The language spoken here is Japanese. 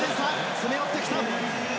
詰め寄ってきた。